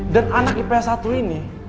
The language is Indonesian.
dan anak ipa satu ini